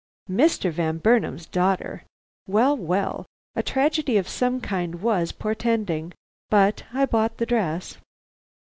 Mr. Van Burnam's daughter! Well, well! A tragedy of some kind was portending! But I bought the dress.